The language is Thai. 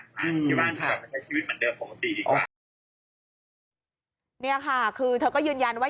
หนูรู้สึกว่าหนูรู้สึกไม่ดี